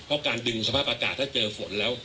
เพราะการดึงสภาพอากาศถ้าเจอฝนแล้ว